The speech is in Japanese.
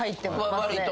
わりと。